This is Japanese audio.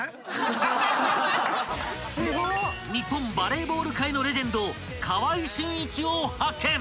［日本バレーボール界のレジェンド川合俊一を発見］